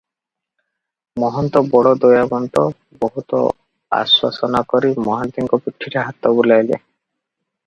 ମହନ୍ତ ବଡ଼ ଦୟାବନ୍ତ, ବହୁତ ଆଶ୍ୱାସନା କରି ମହାନ୍ତିଙ୍କ ପିଠିରେ ହାତ ବୁଲାଇଲେ ।